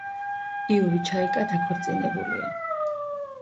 იური ჩაიკა დაქორწინებულია.